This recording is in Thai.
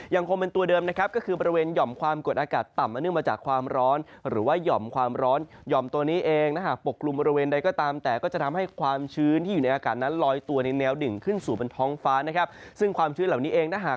ยังคงเป็นตัวเดิมก็คือบริเวณหย่อมความกวดอากาศต่ำ